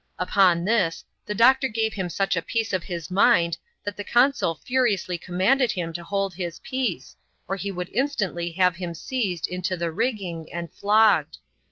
Upon this, the doctor gave him such a piece of his mind, that the consul furiously commanded him to hold his peace, or he would instantly have him seized into the rigging, and flogged.